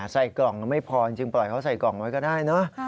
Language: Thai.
ใส่กล่องไม่พอจริงปล่อยเขาใส่กล่องไว้ก็ได้เนอะ